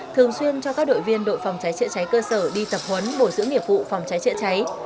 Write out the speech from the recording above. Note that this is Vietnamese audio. thường xuyên cho các đội viên đội phòng cháy chữa cháy cơ sở đi tập huấn bổ dưỡng nghiệp vụ phòng cháy chữa cháy